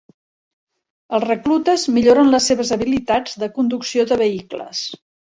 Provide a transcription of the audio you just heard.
Els reclutes milloren les seves habilitats de conducció de vehicles.